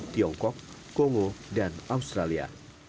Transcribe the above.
tiongkok kongo dan australia